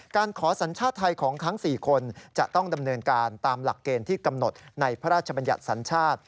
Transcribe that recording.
การขอสัญชาติไทยของทั้ง๔คนจะต้องดำเนินการตามหลักเกณฑ์ที่กำหนดในพระราชบัญญัติสัญชาติ